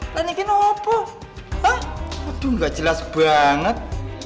lainnya kena apa hah aduh gak jelas banget